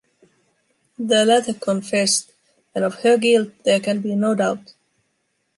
The latter confessed, and of her guilt there can be no doubt.